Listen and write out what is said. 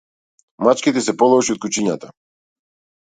Мачките се полоши од кучињата.